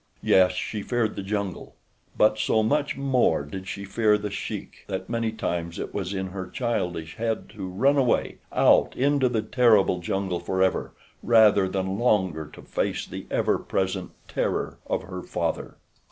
Yes, she feared the jungle; but so much more did she fear The Sheik that many times it was in her childish head to run away, out into the terrible jungle forever rather than longer to face the ever present terror of her father.